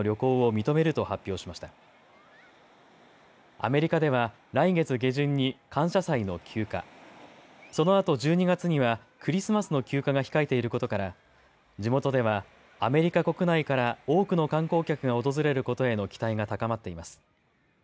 アメリカでは来月下旬に感謝祭の休暇、そのあと１２月にはクリスマスの休暇が控えていることから地元ではアメリカ国内から多くの観光客が訪れることへの期待が高まっています。